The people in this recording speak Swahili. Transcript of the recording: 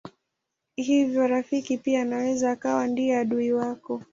Hivyo rafiki pia anaweza akawa ndiye adui wako.